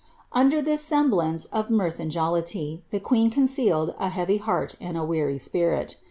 "' Under all this semblance of mirth and jollity, the queen concealed » heavy heart and a weary spirit.